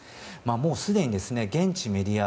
もうすでに、現地メディア